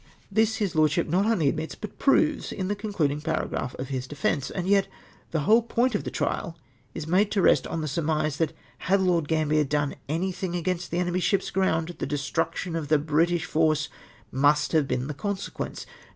Tliis his lordship not only admits, but proves^ in the concluding paragraph of liis defence, and yet the whole point of the trial is made to rest on the surmise that had Lord Gambier done any thing against the enemy's ships aground, tlte destruction of the British force must have been the consequence.